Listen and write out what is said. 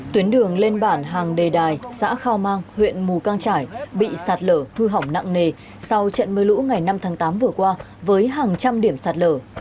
tuyến đường lên bản hàng đề đài xã khao mang huyện mù căng trải bị sạt lở thu hỏng nặng nề sau trận mưa lũ ngày năm tháng tám vừa qua với hàng trăm điểm sạt lở